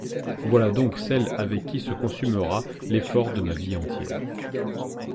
Voilà donc celle avec qui se consumera l'effort de ma vie entière.